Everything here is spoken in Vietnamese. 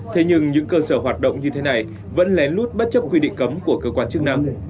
thế nhưng những cơ sở hoạt động như thế này vẫn lén lút bất chấp quy định cấm của cơ quan chức năng